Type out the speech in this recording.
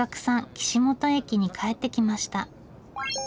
岸本駅に帰ってきました。